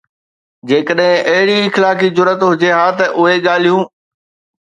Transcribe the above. جيڪڏهن اهڙي اخلاقي جرئت هجي ها ته اهي ڳالهيون